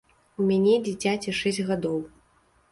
У мяне дзіцяці шэсць гадоў.